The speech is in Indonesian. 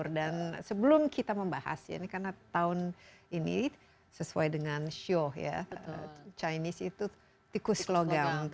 dan sebelum kita membahas karena tahun ini sesuai dengan shiho chinese itu tikus logam